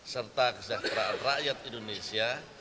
serta kesejahteraan rakyat indonesia